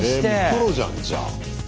プロじゃんじゃあ。